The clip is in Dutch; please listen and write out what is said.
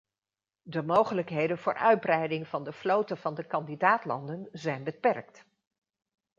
De mogelijkheden voor uitbreiding van de vloten van de kandidaat-landen zijn beperkt.